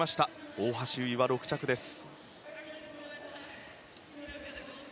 大橋悠依は６着です。